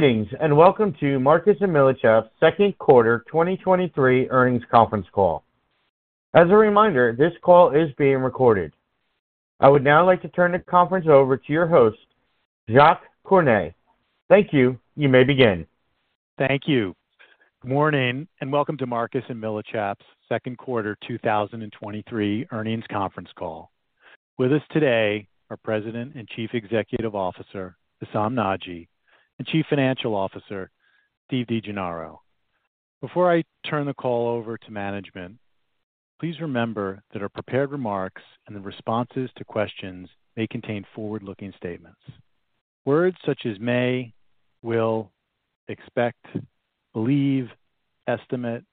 Greetings. Welcome to Marcus & Millichap's second quarter 2023 earnings conference call. As a reminder, this call is being recorded. I would now like to turn the conference over to your host, Jacques Cornet. Thank you. You may begin. Thank you. Good morning, and welcome to Marcus & Millichap's second quarter 2023 earnings conference call. With us today are President and Chief Executive Officer, Hessam Nadji, and Chief Financial Officer, Steve DeGennaro. Before I turn the call over to management, please remember that our prepared remarks and the responses to questions may contain forward-looking statements. Words such as may, will, expect, believe, estimate,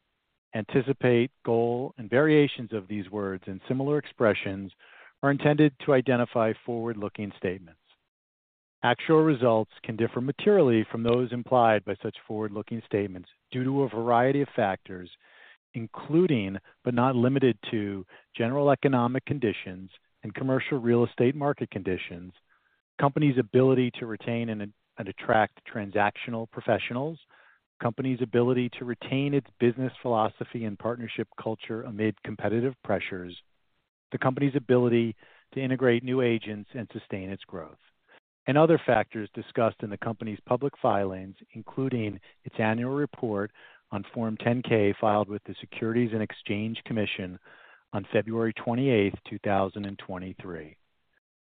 anticipate, goal, and variations of these words and similar expressions are intended to identify forward-looking statements. Actual results can differ materially from those implied by such forward-looking statements due to a variety of factors, including, but not limited to, general economic conditions and commercial real estate market conditions, company's ability to retain and attract transactional professionals, company's ability to retain its business philosophy and partnership culture amid competitive pressures, the company's ability to integrate new agents and sustain its growth, and other factors discussed in the company's public filings, including its annual report on Form 10-K, filed with the Securities and Exchange Commission on February 28th, 2023.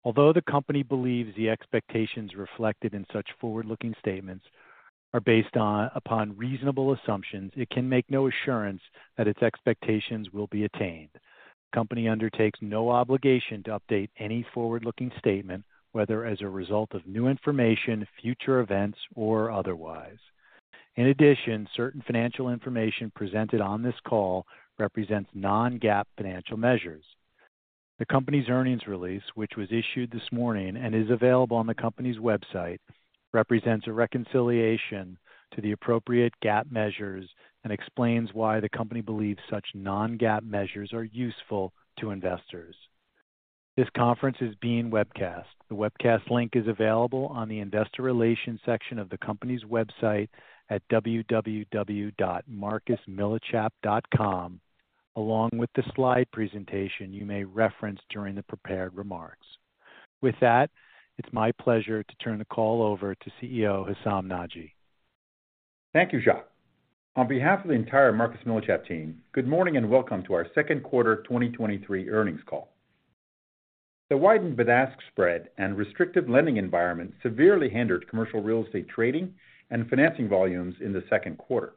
Although the company believes the expectations reflected in such forward-looking statements are based upon reasonable assumptions, it can make no assurance that its expectations will be attained. The company undertakes no obligation to update any forward-looking statement, whether as a result of new information, future events, or otherwise. In addition, certain financial information presented on this call represents non-GAAP financial measures. The company's earnings release, which was issued this morning and is available on the company's website, represents a reconciliation to the appropriate GAAP measures and explains why the company believes such non-GAAP measures are useful to investors. This conference is being webcast. The webcast link is available on the Investor Relations section of the company's website at www.marcusmillichap.com, along with the slide presentation you may reference during the prepared remarks. With that, it's my pleasure to turn the call over to CEO, Hessam Nadji. Thank you, Jacques. On behalf of the entire Marcus & Millichap team, good morning and welcome to our second quarter 2023 earnings call. The widened bid-ask spread and restrictive lending environment severely hindered commercial real estate trading and financing volumes in the second quarter.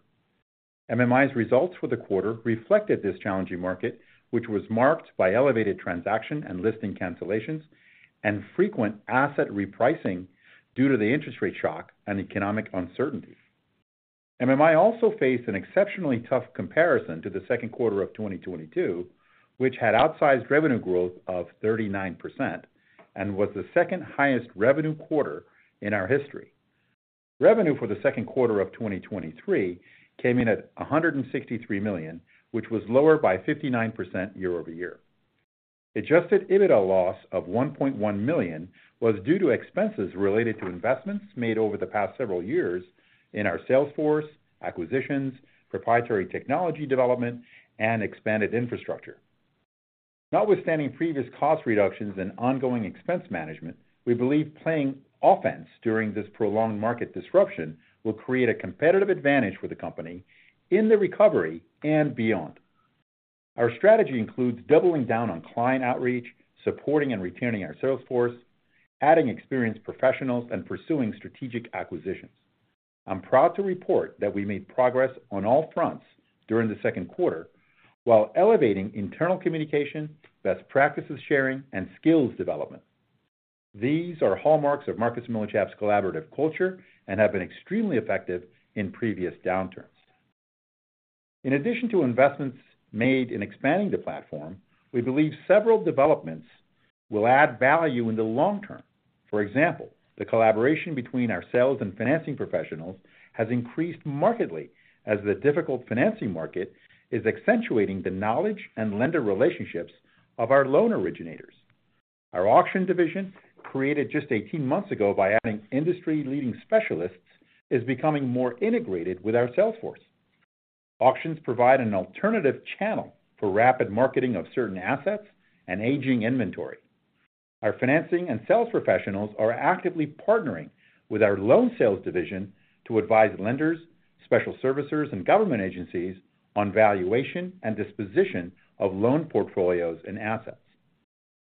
MMI's results for the quarter reflected this challenging market, which was marked by elevated transaction and listing cancellations and frequent asset repricing due to the interest rate shock and economic uncertainty. MMI also faced an exceptionally tough comparison to the second quarter of 2022, which had outsized revenue growth of 39% and was the second highest revenue quarter in our history. Revenue for the second quarter of 2023 came in at $163 million, which was lower by 59% year-over-year. Adjusted EBITDA loss of $1.1 million was due to expenses related to investments made over the past several years in our sales force, acquisitions, proprietary technology development, and expanded infrastructure. Notwithstanding previous cost reductions and ongoing expense management, we believe playing offense during this prolonged market disruption will create a competitive advantage for the company in the recovery and beyond. Our strategy includes doubling down on client outreach, supporting and retaining our sales force, adding experienced professionals, and pursuing strategic acquisitions. I'm proud to report that we made progress on all fronts during the second quarter, while elevating internal communication, best practices sharing, and skills development. These are hallmarks of Marcus & Millichap's collaborative culture and have been extremely effective in previous downturns. In addition to investments made in expanding the platform, we believe several developments will add value in the long term. For example, the collaboration between our sales and financing professionals has increased markedly as the difficult financing market is accentuating the knowledge and lender relationships of our loan originators. Our auction division, created just 18 months ago by adding industry-leading specialists, is becoming more integrated with our sales force. Auctions provide an alternative channel for rapid marketing of certain assets and aging inventory. Our financing and sales professionals are actively partnering with our loan sales division to advise lenders, special servicers, and government agencies on valuation and disposition of loan portfolios and assets.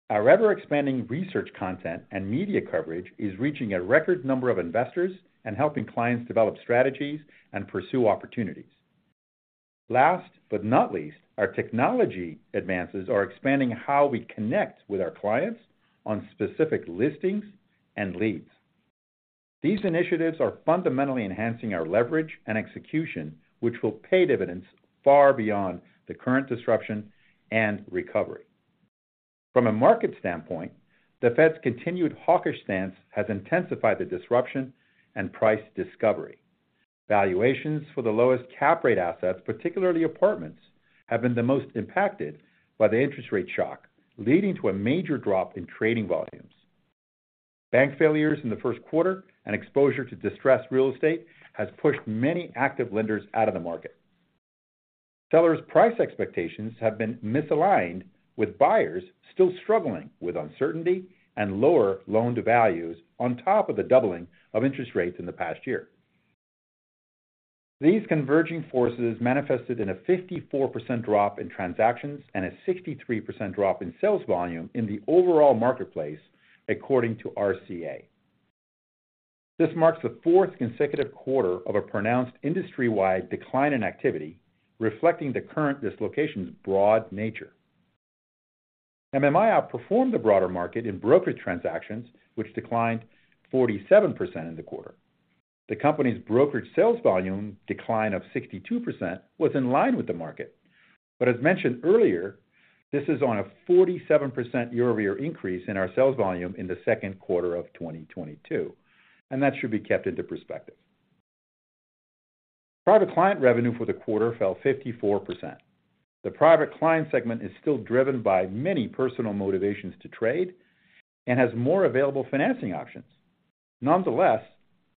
Our ever-expanding research content and media coverage is reaching a record number of investors and helping clients develop strategies and pursue opportunities. Last but not least, our technology advances are expanding how we connect with our clients on specific listings and leads. These initiatives are fundamentally enhancing our leverage and execution, which will pay dividends far beyond the current disruption and recovery. From a market standpoint, the Fed's continued hawkish stance has intensified the disruption and price discovery. Valuations for the lowest cap rate assets, particularly apartments, have been the most impacted by the interest rate shock, leading to a major drop in trading volumes. Bank failures in the first quarter and exposure to distressed real estate has pushed many active lenders out of the market. Sellers' price expectations have been misaligned, with buyers still struggling with uncertainty and lower loan-to-values, on top of the doubling of interest rates in the past year. These converging forces manifested in a 54% drop in transactions and a 63% drop in sales volume in the overall marketplace, according to RCA. This marks the fourth consecutive quarter of a pronounced industry-wide decline in activity, reflecting the current dislocation's broad nature. MMI outperformed the broader market in brokerage transactions, which declined 47% in the quarter. The company's brokerage sales volume decline of 62% was in line with the market. As mentioned earlier, this is on a 47% year-over-year increase in our sales volume in the second quarter of 2022, and that should be kept into perspective. Private Client revenue for the quarter fell 54%. The Private Client segment is still driven by many personal motivations to trade and has more available financing options. Nonetheless,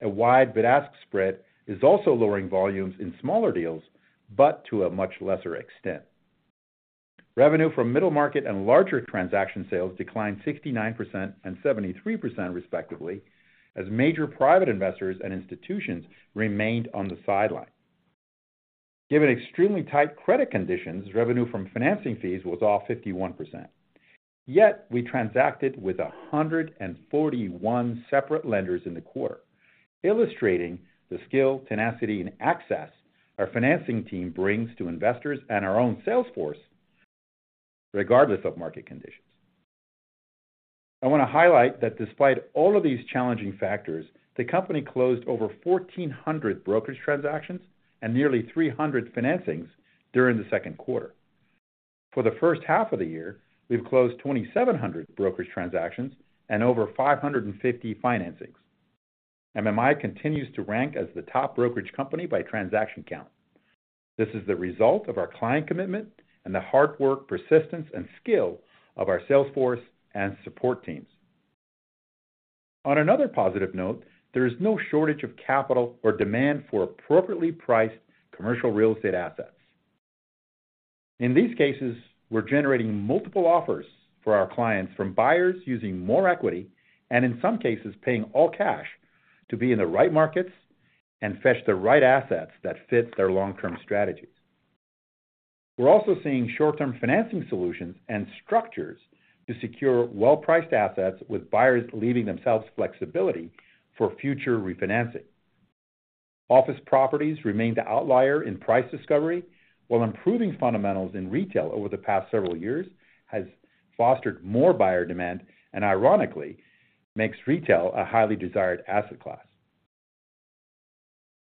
a wide bid-ask spread is also lowering volumes in smaller deals, but to a much lesser extent. Revenue from Middle Market and Larger Transaction sales declined 69% and 73%, respectively, as major private investors and institutions remained on the sideline. Given extremely tight credit conditions, revenue from financing fees was off 51%. We transacted with 141 separate lenders in the quarter, illustrating the skill, tenacity, and access our financing team brings to investors and our own sales force, regardless of market conditions. I want to highlight that despite all of these challenging factors, the company closed over 1,400 brokerage transactions and nearly 300 financings during the second quarter. For the first half of the year, we've closed 2,700 brokerage transactions and over 550 financings. MMI continues to rank as the top brokerage company by transaction count. This is the result of our client commitment and the hard work, persistence, and skill of our sales force and support teams. On another positive note, there is no shortage of capital or demand for appropriately priced commercial real estate assets. In these cases, we're generating multiple offers for our clients from buyers using more equity, in some cases, paying all cash to be in the right markets and fetch the right assets that fit their long-term strategies. We're also seeing short-term financing solutions and structures to secure well-priced assets with buyers leaving themselves flexibility for future refinancing. Office properties remain the outlier in price discovery, while improving fundamentals in retail over the past several years has fostered more buyer demand and, ironically, makes retail a highly desired asset class.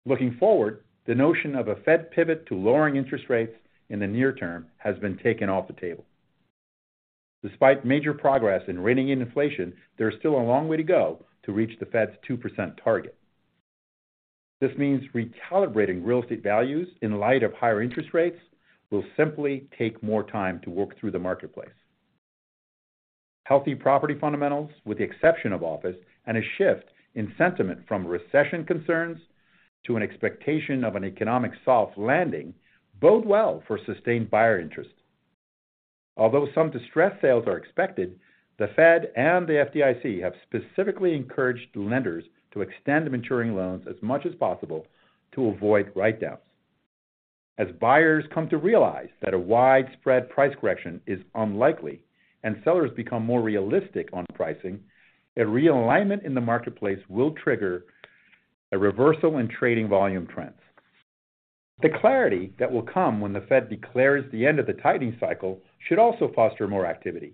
Looking forward, the notion of a Fed pivot to lowering interest rates in the near term has been taken off the table. Despite major progress in reining in inflation, there is still a long way to go to reach the Fed's 2% target. This means recalibrating real estate values in light of higher interest rates will simply take more time to work through the marketplace. Healthy property fundamentals, with the exception of office, and a shift in sentiment from recession concerns to an expectation of an economic soft landing, bode well for sustained buyer interest. Although some distressed sales are expected, the Fed and the FDIC have specifically encouraged lenders to extend maturing loans as much as possible to avoid write-downs. As buyers come to realize that a widespread price correction is unlikely and sellers become more realistic on pricing, a realignment in the marketplace will trigger a reversal in trading volume trends. The clarity that will come when the Fed declares the end of the tightening cycle should also foster more activity.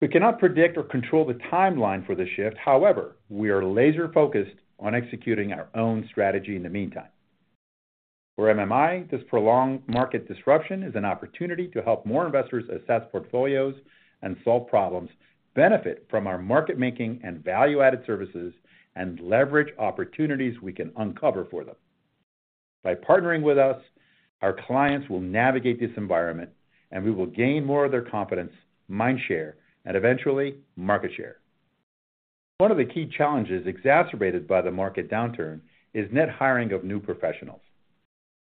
We cannot predict or control the timeline for the shift. However, we are laser-focused on executing our own strategy in the meantime. For MMI, this prolonged market disruption is an opportunity to help more investors assess portfolios and solve problems, benefit from our market-making and value-added services, and leverage opportunities we can uncover for them. By partnering with us, our clients will navigate this environment, and we will gain more of their confidence, mind share, and eventually, market share. One of the key challenges exacerbated by the market downturn is net hiring of new professionals.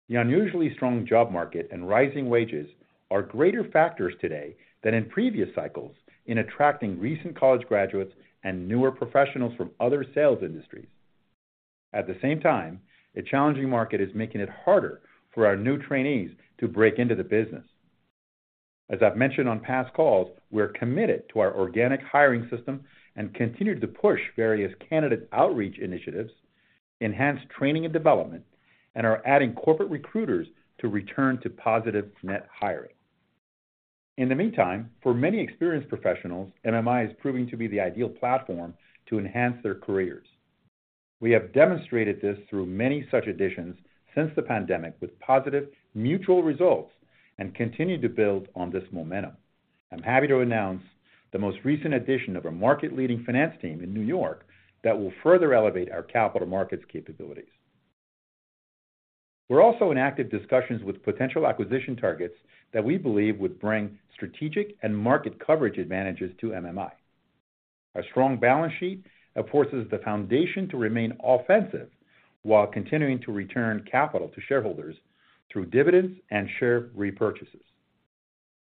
The unusually strong job market and rising wages are greater factors today than in previous cycles in attracting recent college graduates and newer professionals from other sales industries. At the same time, a challenging market is making it harder for our new trainees to break into the business. As I've mentioned on past calls, we're committed to our organic hiring system and continue to push various candidate outreach initiatives, enhance training and development, and are adding corporate recruiters to return to positive net hiring. In the meantime, for many experienced professionals, MMI is proving to be the ideal platform to enhance their careers. We have demonstrated this through many such additions since the pandemic with positive mutual results, and continue to build on this momentum.... I'm happy to announce the most recent addition of a market-leading finance team in New York that will further elevate our capital markets capabilities. We're also in active discussions with potential acquisition targets that we believe would bring strategic and market coverage advantages to MMI. Our strong balance sheet affords us the foundation to remain offensive while continuing to return capital to shareholders through dividends and share repurchases.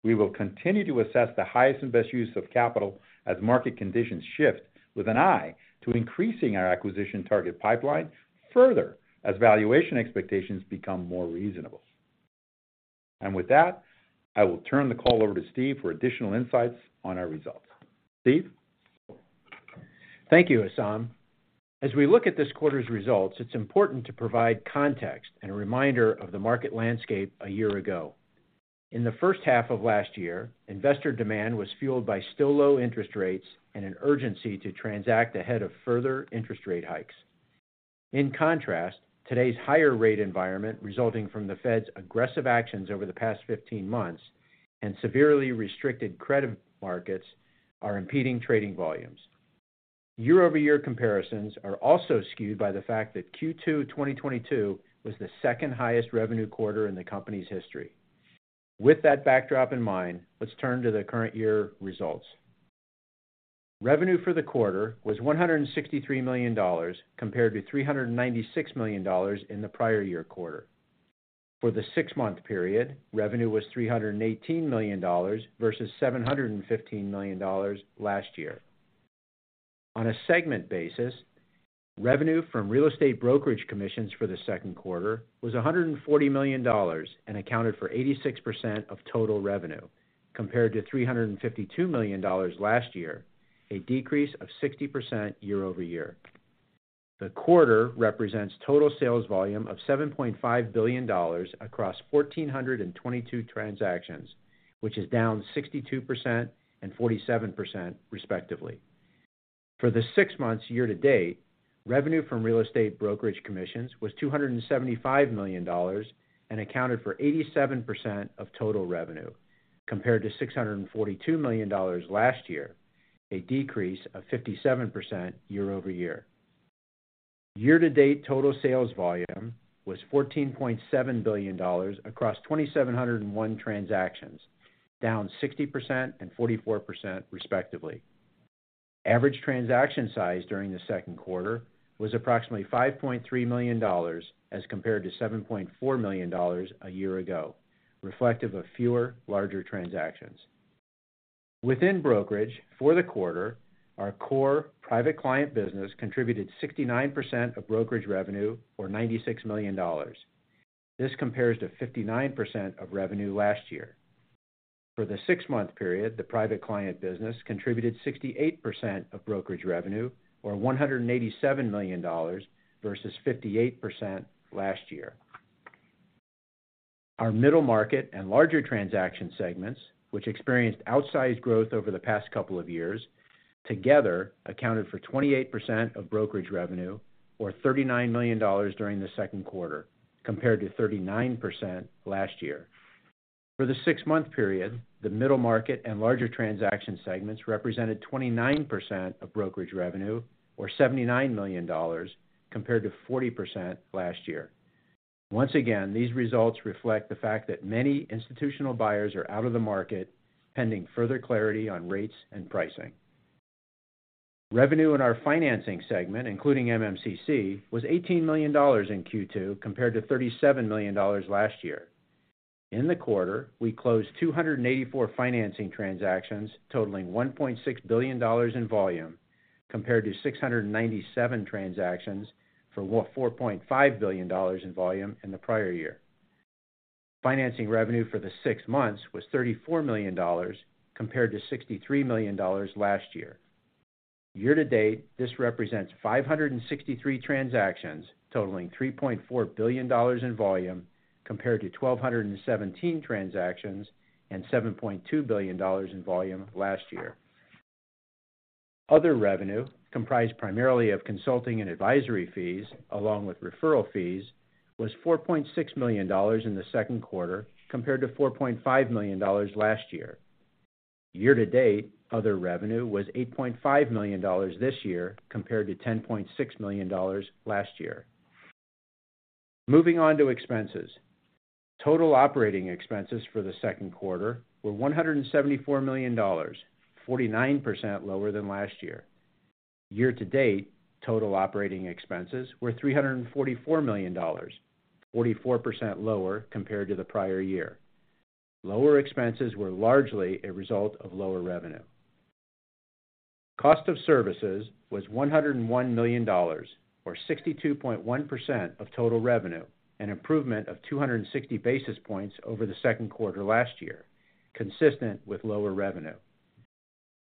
We will continue to assess the highest and best use of capital as market conditions shift, with an eye to increasing our acquisition target pipeline further, as valuation expectations become more reasonable. With that, I will turn the call over to Steve for additional insights on our results. Steve? Thank you, Hessam. As we look at this quarter's results, it's important to provide context and a reminder of the market landscape a year ago. In the first half of last year, investor demand was fueled by still low interest rates and an urgency to transact ahead of further interest rate hikes. In contrast, today's higher rate environment, resulting from the Fed's aggressive actions over the past 15 months and severely restricted credit markets, are impeding trading volumes. Year-over-year comparisons are also skewed by the fact that Q2 2022 was the second highest revenue quarter in the company's history. With that backdrop in mind, let's turn to the current year results. Revenue for the quarter was $163 million, compared to $396 million in the prior year quarter. For the six-month period, revenue was $318 million versus $715 million last year. On a segment basis, revenue from real estate brokerage commissions for the second quarter was $140 million and accounted for 86% of total revenue, compared to $352 million last year, a decrease of 60% year-over-year. The quarter represents total sales volume of $7.5 billion across 1,422 transactions, which is down 62% and 47%, respectively. For the six months year to date, revenue from real estate brokerage commissions was $275 million and accounted for 87% of total revenue, compared to $642 million last year, a decrease of 57% year-over-year. Year to date, total sales volume was $14.7 billion across 2,701 transactions, down 60% and 44%, respectively. Average transaction size during the second quarter was approximately $5.3 million, as compared to $7.4 million a year ago, reflective of fewer, larger transactions. Within brokerage, for the quarter, our core Private Client business contributed 69% of brokerage revenue, or $96 million. This compares to 59% of revenue last year. For the six-month period, the Private Client business contributed 68% of brokerage revenue, or $187 million, versus 58% last year. Our Middle Market and Larger Transaction segments, which experienced outsized growth over the past couple of years, together accounted for 28% of brokerage revenue, or $39 million during the second quarter, compared to 39% last year. For the six-month period, the Middle Market and Larger Transaction segments represented 29% of brokerage revenue, or $79 million, compared to 40% last year. Once again, these results reflect the fact that many institutional buyers are out of the market, pending further clarity on rates and pricing. Revenue in our Financing segment, including MMCC, was $18 million in Q2, compared to $37 million last year. In the quarter, we closed 284 financing transactions totaling $1.6 billion in volume, compared to 697 transactions for $4.5 billion in volume in the prior year. Financing revenue for the six months was $34 million, compared to $63 million last year. Year to date, this represents 563 transactions, totaling $3.4 billion in volume, compared to 1,217 transactions and $7.2 billion in volume last year. Other revenue, comprised primarily of consulting and advisory fees, along with referral fees, was $4.6 million in the second quarter, compared to $4.5 million last year. Year to date, other revenue was $8.5 million this year, compared to $10.6 million last year. Moving on to expenses. Total operating expenses for the second quarter were $174 million, 49% lower than last year. Year to date, total operating expenses were $344 million, 44% lower compared to the prior year. Lower expenses were largely a result of lower revenue. Cost of services was $101 million, or 62.1% of total revenue, an improvement of 260 basis points over the second quarter last year, consistent with lower revenue.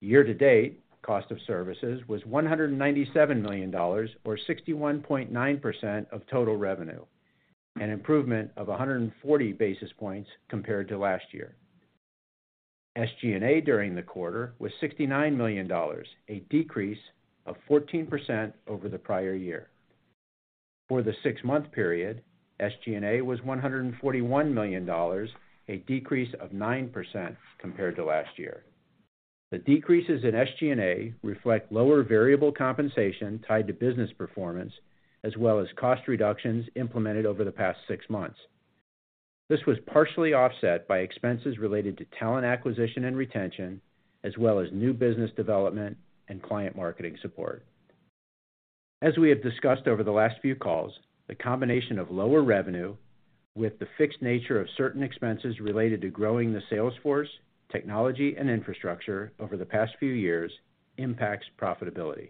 Year to date, cost of services was $197 million, or 61.9% of total revenue, an improvement of 140 basis points compared to last year. SG&A during the quarter was $69 million, a decrease of 14% over the prior year. For the six-month period, SG&A was $141 million, a decrease of 9% compared to last year. The decreases in SG&A reflect lower variable compensation tied to business performance, as well as cost reductions implemented over the past six months. This was partially offset by expenses related to talent acquisition and retention, as well as new business development and client marketing support. As we have discussed over the last few calls, the combination of lower revenue with the fixed nature of certain expenses related to growing the sales force, technology, and infrastructure over the past few years impacts profitability.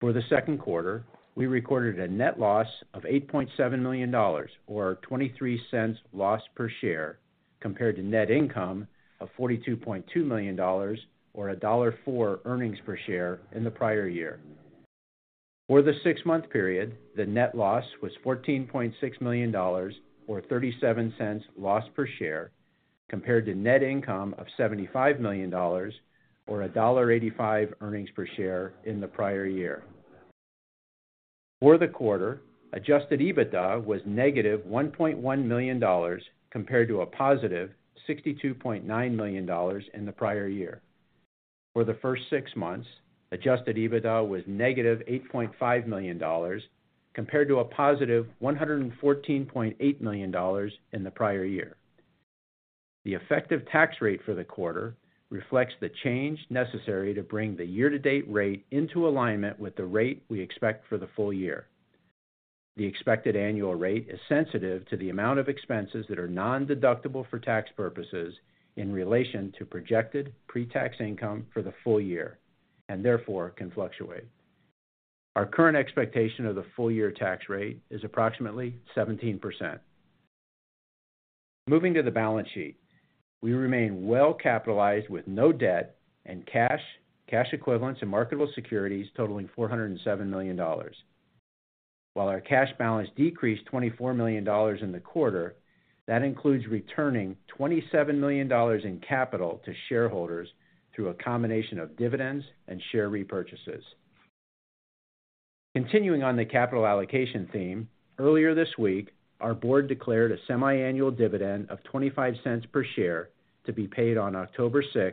For the second quarter, we recorded a net loss of $8.7 million or $0.23 loss per share, compared to net income of $42.2 million or $1.04 earnings per share in the prior year. For the six-month period, the net loss was $14.6 million or $0.37 loss per share, compared to net income of $75 million or $1.85 earnings per share in the prior year. For the quarter, adjusted EBITDA was -$1.1 million, compared to a +$62.9 million in the prior year. For the first six months, adjusted EBITDA was -$8.5 million, compared to a +$114.8 million in the prior year. The effective tax rate for the quarter reflects the change necessary to bring the year-to-date rate into alignment with the rate we expect for the full year. The expected annual rate is sensitive to the amount of expenses that are nondeductible for tax purposes in relation to projected pre-tax income for the full year, and therefore can fluctuate. Our current expectation of the full year tax rate is approximately 17%. Moving to the balance sheet. We remain well capitalized with no debt and cash, cash equivalents, and marketable securities totaling $407 million. While our cash balance decreased $24 million in the quarter, that includes returning $27 million in capital to shareholders through a combination of dividends and share repurchases. Continuing on the capital allocation theme, earlier this week, our board declared a semiannual dividend of $0.25 per share to be paid on October 6th,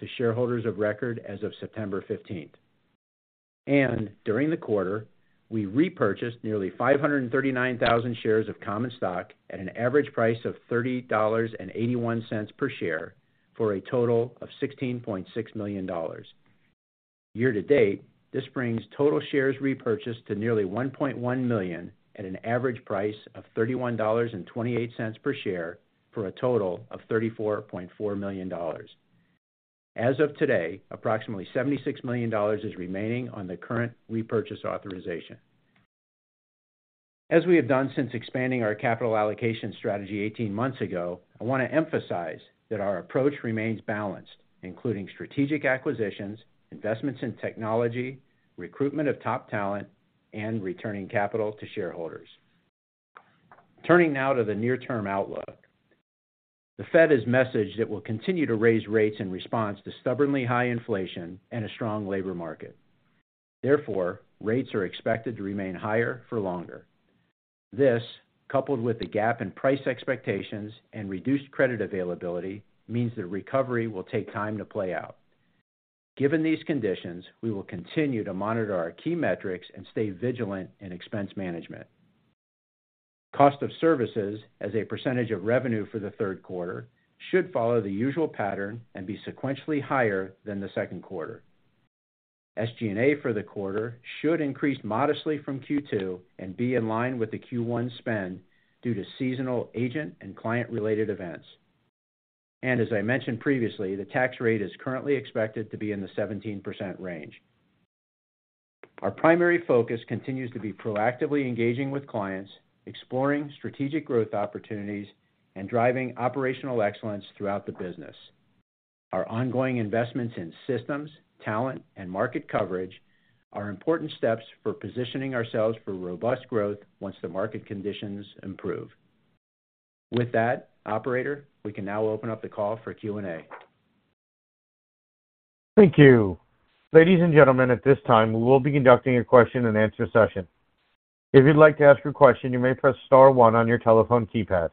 to shareholders of record as of September 15th. During the quarter, we repurchased nearly 539,000 shares of common stock at an average price of $30.81 per share, for a total of $16.6 million. Year to date, this brings total shares repurchased to nearly $1.1 million at an average price of $31.28 per share, for a total of $34.4 million. As of today, approximately $76 million is remaining on the current repurchase authorization. As we have done since expanding our capital allocation strategy 18 months ago, I want to emphasize that our approach remains balanced, including strategic acquisitions, investments in technology, recruitment of top talent, and returning capital to shareholders. Turning now to the near-term outlook. The Fed has messaged it will continue to raise rates in response to stubbornly high inflation and a strong labor market. Therefore, rates are expected to remain higher for longer. This, coupled with the gap in price expectations and reduced credit availability, means the recovery will take time to play out. Given these conditions, we will continue to monitor our key metrics and stay vigilant in expense management. Cost of services as a percentage of revenue for the third quarter should follow the usual pattern and be sequentially higher than the second quarter. SG&A for the quarter should increase modestly from Q2 and be in line with the Q1 spend due to seasonal agent and client-related events. As I mentioned previously, the tax rate is currently expected to be in the 17% range. Our primary focus continues to be proactively engaging with clients, exploring strategic growth opportunities, and driving operational excellence throughout the business. Our ongoing investments in systems, talent, and market coverage are important steps for positioning ourselves for robust growth once the market conditions improve. With that, operator, we can now open up the call for Q&A. Thank you. Ladies and gentlemen, at this time, we will be conducting a question-and-answer session. If you'd like to ask a question, you may press star one on your telephone keypad.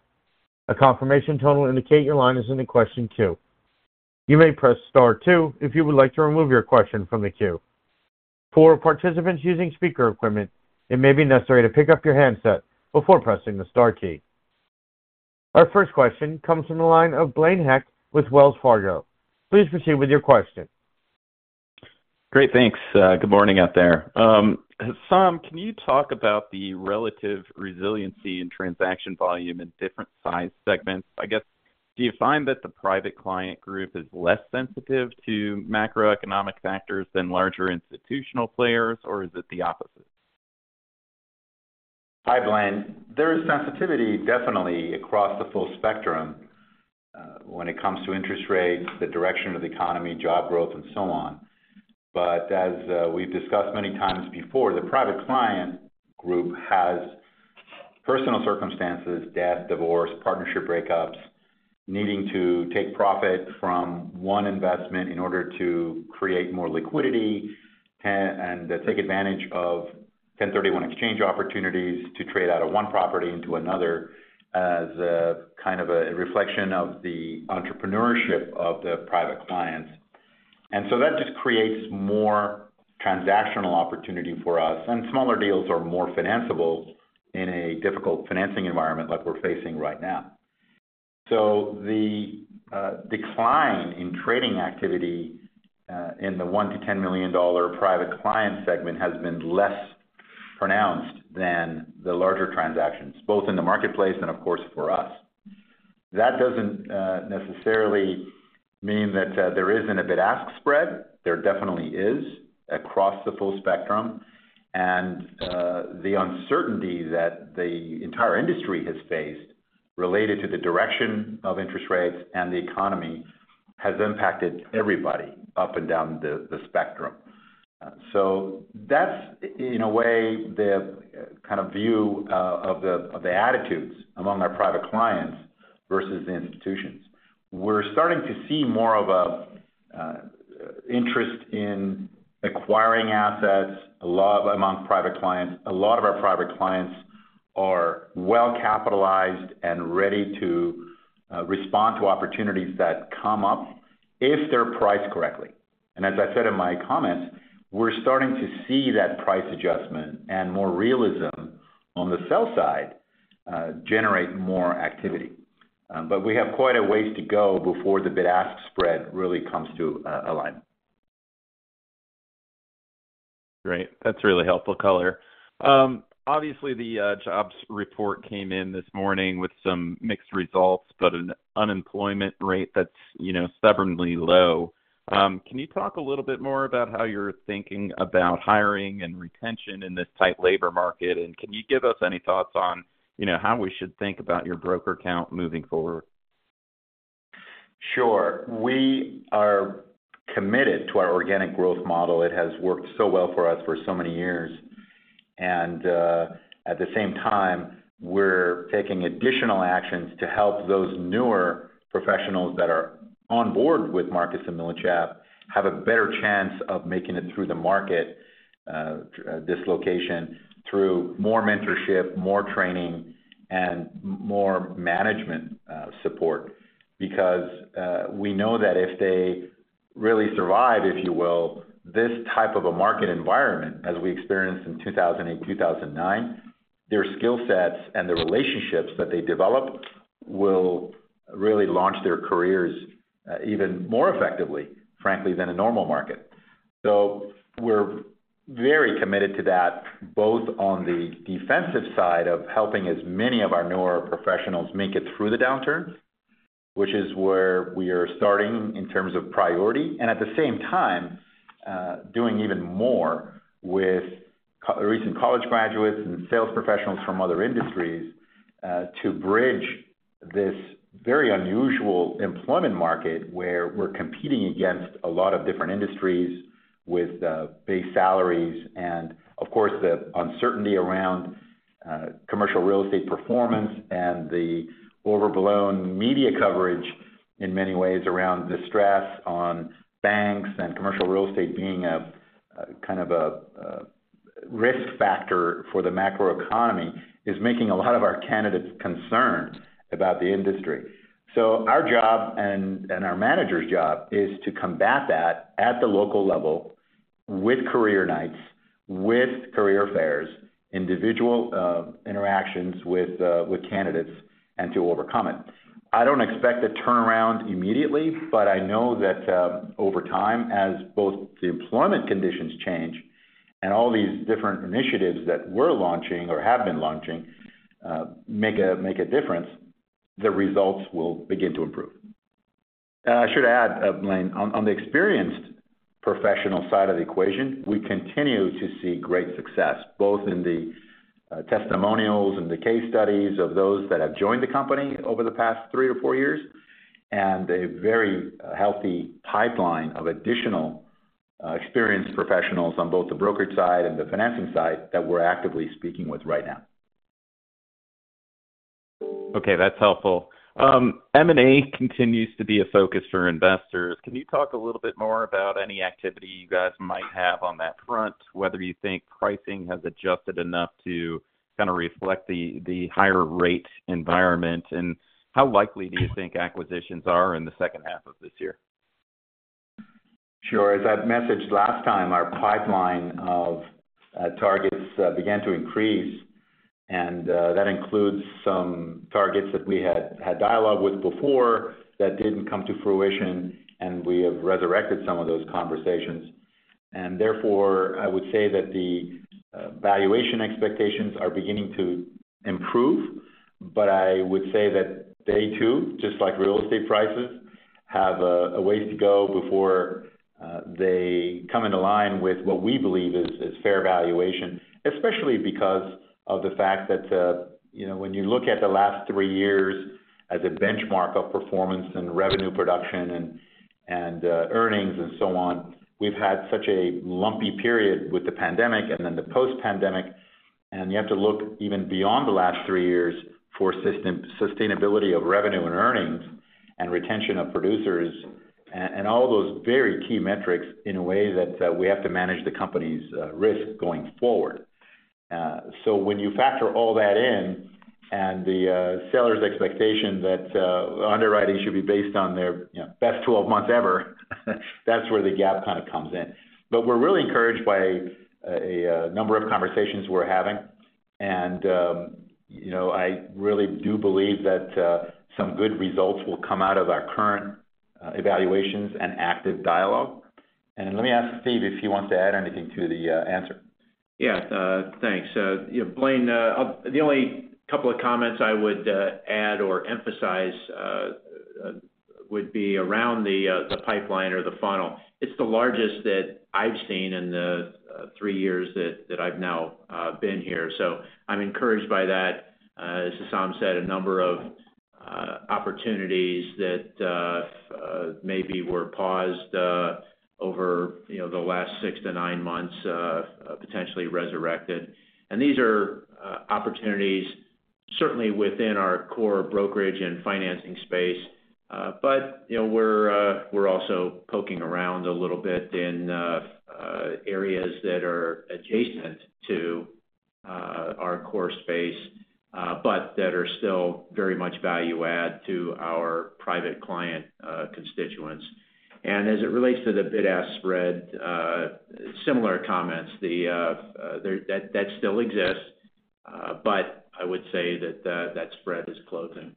A confirmation tone will indicate your line is in the question queue. You may press star two if you would like to remove your question from the queue. For participants using speaker equipment, it may be necessary to pick up your handset before pressing the star key. Our first question comes from the line of Blaine Heck with Wells Fargo. Please proceed with your question. Great. Thanks. Good morning out there. Hessam, can you talk about the relative resiliency in transaction volume in different size segments? I guess, do you find that the Private Client group is less sensitive to macroeconomic factors than larger institutional players, or is it the opposite? Hi, Blaine. There is sensitivity definitely across the full spectrum, when it comes to interest rates, the direction of the economy, job growth, and so on. As we've discussed many times before, the Private Client group has-... personal circumstances, death, divorce, partnership breakups, needing to take profit from one investment in order to create more liquidity, and take advantage of 1031 exchange opportunities to trade out of one property into another, as a kind of a reflection of the entrepreneurship of the Private Client. That just creates more transactional opportunity for us, and smaller deals are more financiable in a difficult financing environment like we're facing right now. The decline in trading activity in the $1 million-$10 million Private Client segment, has been less pronounced than the larger transactions, both in the marketplace and, of course, for us. That doesn't necessarily mean that there isn't a bid-ask spread. There definitely is across the full spectrum. The uncertainty that the entire industry has faced related to the direction of interest rates and the economy, has impacted everybody up and down the spectrum. So that's, in a way, the kind of view of the attitudes among our Private Clients versus the institutions. We're starting to see more of a interest in acquiring assets, a lot among Private Clients. A lot of our Private Clients are well-capitalized and ready to respond to opportunities that come up if they're priced correctly. As I said in my comments, we're starting to see that price adjustment and more realism on the sell side generate more activity. We have quite a ways to go before the bid-ask spread really comes to align. Great. That's really helpful color. Obviously, the jobs report came in this morning with some mixed results, but an unemployment rate that's, you know, stubbornly low. Can you talk a little bit more about how you're thinking about hiring and retention in this tight labor market? Can you give us any thoughts on, you know, how we should think about your broker count moving forward? Sure. We are committed to our organic growth model. It has worked so well for us for so many years. At the same time, we're taking additional actions to help those newer professionals that are on board with Marcus & Millichap, have a better chance of making it through the market dislocation, through more mentorship, more training, and more management support. We know that if they really survive, if you will, this type of a market environment, as we experienced in 2008, 2009, their skill sets and the relationships that they develop, will really launch their careers even more effectively, frankly, than a normal market. We're very committed to that, both on the defensive side of helping as many of our newer professionals make it through the downturn, which is where we are starting in terms of priority, and at the same time, doing even more with recent college graduates and sales professionals from other industries, to bridge this very unusual employment market, where we're competing against a lot of different industries with base salaries. Of course, the uncertainty around commercial real estate performance and the overblown media coverage, in many ways, around the stress on banks and commercial real estate being a kind of a risk factor for the macroeconomy, is making a lot of our candidates concerned about the industry. Our job, and, and our managers' job, is to combat that at the local level with career nights, with career fairs, individual interactions with candidates, and to overcome it. I don't expect a turnaround immediately, but I know that over time, as both the employment conditions change and all these different initiatives that we're launching or have been launching, make a, make a difference, the results will begin to improve. I should add, Blaine, on, on the experienced professional side of the equation, we continue to see great success, both in the testimonials and the case studies of those that have joined the company over the past three to four years, and a very healthy pipeline of additional experienced professionals on both the brokerage side and the financing side, that we're actively speaking with right now. Okay, that's helpful. M&A continues to be a focus for investors. Can you talk a little bit more about any activity you guys might have on that front? Whether you think pricing has adjusted enough to kind of reflect the, the higher rate environment, and how likely do you think acquisitions are in the second half of this year? Sure. As I've messaged last time, our pipeline of targets began to increase, and that includes some targets that we had, had dialogue with before that didn't come to fruition, and we have resurrected some of those conversations. Therefore, I would say that the valuation expectations are beginning to improve, but I would say that they, too, just like real estate prices, have a ways to go before they come into line with what we believe is, is fair valuation. Especially because of the fact that, you know, when you look at the last three years-... as a benchmark of performance and revenue production and earnings and so on. We've had such a lumpy period with the pandemic and then the post-pandemic, and you have to look even beyond the last three years for sustainability of revenue and earnings and retention of producers and, and all those very key metrics in a way that we have to manage the company's risk going forward. When you factor all that in, and the seller's expectation that underwriting should be based on their, you know, best 12 months ever, that's where the gap kind of comes in. We're really encouraged by a number of conversations we're having. You know, I really do believe that some good results will come out of our current evaluations and active dialogue. Let me ask Steve if he wants to add anything to the answer. Yeah, thanks. You know, Blaine, the only couple of comments I would add or emphasize would be around the pipeline or the funnel. It's the largest that I've seen in the three years that I've now been here, so I'm encouraged by that. As Hessam said, a number of opportunities that maybe were paused over, you know, the last six to nine months, potentially resurrected. These are opportunities certainly within our core brokerage and financing space. You know, we're also poking around a little bit in areas that are adjacent to our core space, but that are still very much value add to our Private Client constituents. As it relates to the bid-ask spread, similar comments, that still exists, but I would say that, that spread is closing.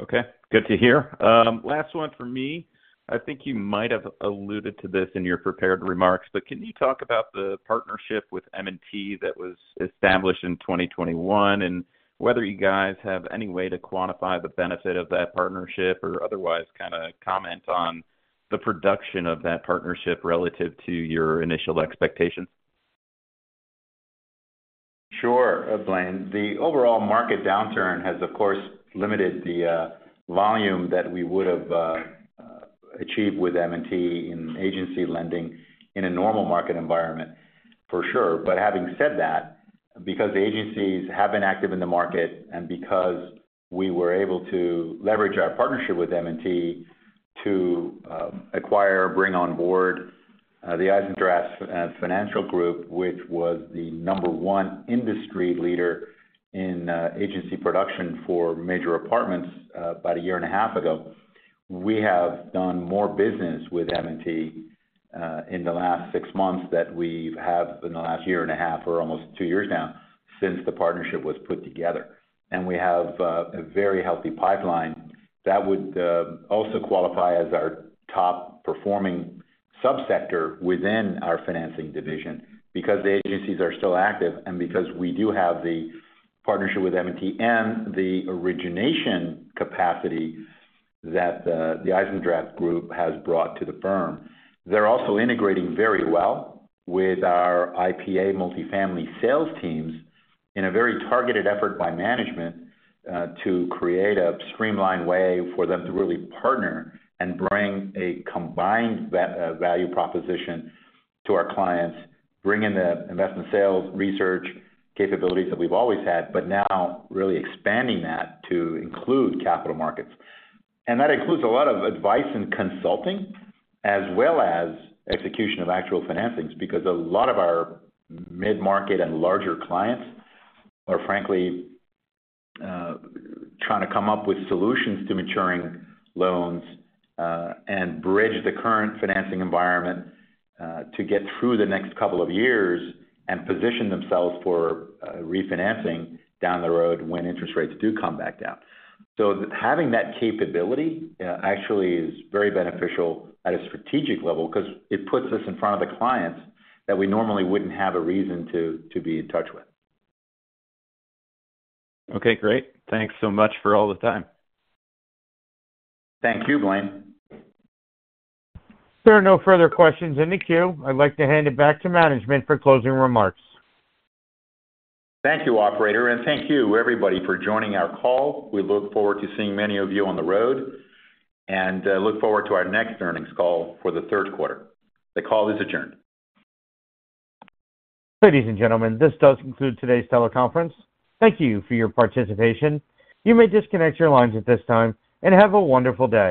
Okay, good to hear. Last one for me. I think you might have alluded to this in your prepared remarks, but can you talk about the partnership with M&T that was established in 2021, and whether you guys have any way to quantify the benefit of that partnership, or otherwise kind of comment on the production of that partnership relative to your initial expectations? Sure, Blaine. The overall market downturn has, of course, limited the volume that we would've achieved with M&T in agency lending in a normal market environment for sure. Having said that, because the agencies have been active in the market and because we were able to leverage our partnership with M&T to acquire, bring on board, the Eisendrath Finance Group, which was the number one industry leader in agency production for major apartments, about a year and a half ago. We have done more business with M&T in the last six months, than we've have in the last a year and a half or almost two years now, since the partnership was put together. We have a very healthy pipeline that would also qualify as our top-performing subsector within our financing division, because the agencies are still active and because we do have the partnership with M&T, and the origination capacity that the Eisendrath Group has brought to the firm. They're also integrating very well with our IPA multifamily sales teams in a very targeted effort by management to create a streamlined way for them to really partner and bring a combined value proposition to our clients, bring in the investment sales, research, capabilities that we've always had, but now really expanding that to include capital markets. That includes a lot of advice and consulting, as well as execution of actual financings, because a lot of our Middle Market and larger clients are frankly, trying to come up with solutions to maturing loans, and bridge the current financing environment, to get through the next couple of years and position themselves for, refinancing down the road when interest rates do come back down. Having that capability, actually is very beneficial at a strategic level because it puts us in front of the clients that we normally wouldn't have a reason to, to be in touch with. Okay, great. Thanks so much for all the time. Thank you, Blaine. There are no further questions in the queue. I'd like to hand it back to management for closing remarks. Thank you, operator. Thank you, everybody, for joining our call. We look forward to seeing many of you on the road and look forward to our next earnings call for the third quarter. The call is adjourned. Ladies and gentlemen, this does conclude today's teleconference. Thank you for your participation. You may disconnect your lines at this time, and have a wonderful day.